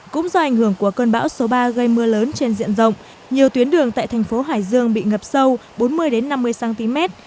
cũng do ảnh hưởng của cơn bão số ba gây mưa lớn trên diện rộng nhiều tuyến đường tại thành phố hải dương bị ngập sâu bốn mươi năm mươi cm